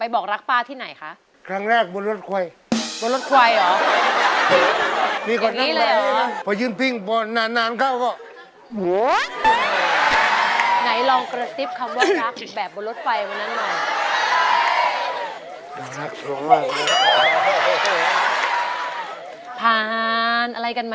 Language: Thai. บอกลักษณ์ครั้งแรกไปบอกลักษณ์ปลาที่ไหนคะ